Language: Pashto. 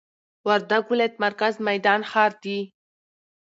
وردګ ولايت مرکز میدان ښار دي